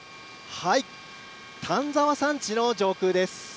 丹沢山地の上空です。